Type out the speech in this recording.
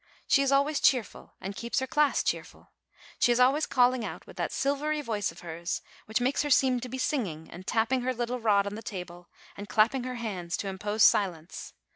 She is always cheerful, and keeps her class cheerful. 'She is always calling out with that silvery voice of hers, which makes her seem to be singing, and tapping her little rod on the table, and clapping her hands to impose silence.